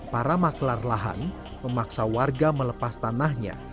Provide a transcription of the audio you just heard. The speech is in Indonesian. para maklar lahan memaksa warga melepas tanahnya